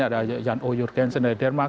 ada jan o jurgensen dari denmark